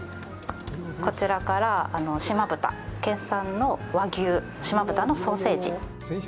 こちらから、島豚、県産の和牛、島豚のソーセージ。